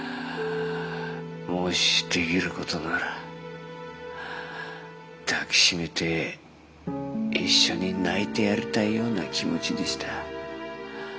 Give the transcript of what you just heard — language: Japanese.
もしできる事なら抱き締めて一緒に泣いてやりたいような気持ちでした。